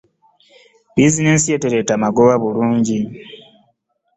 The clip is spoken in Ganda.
Bizinesi ye teleeta magoba bulungi.